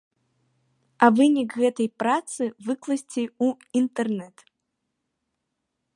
А вынік гэтай працы выкласці ў інтэрнет.